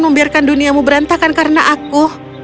membiarkan duniamu berantakan karena aku